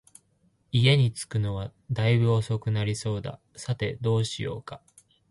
家に着くのは大分遅くなりそうだ、さて、どうしようか